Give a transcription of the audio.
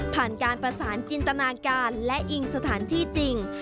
ผ่านการประสานจินตนาการและอิงสถานที่จริง